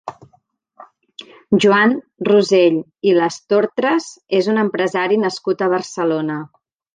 Joan Rosell i Lastortras és un empresari nascut a Barcelona.